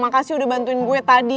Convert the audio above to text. makasih udah bantuin gue tadi